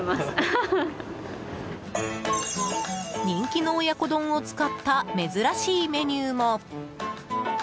人気の親子丼を使った珍しいメニューも。